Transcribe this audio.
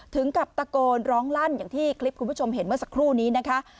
ถึงกับตะโกนร้องลั่นอย่างที่คลิปคุณผู้ชมเห็นเมื่อสักครู่นี้นะคะ